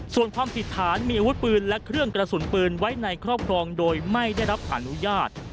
ส่วนความผิดฐานมีอาวุธปืนและเครื่องกระสุนปืนไว้ในครอบครองโดยไม่ได้รับอนุญาต